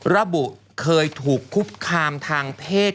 ระบุเคยถูกคุกคลุกคลุกคลามทางเพศ